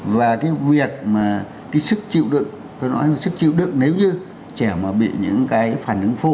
và cái việc mà cái sức chịu đựng tôi nói một sức chịu đựng nếu như trẻ mà bị những cái phản ứng phụ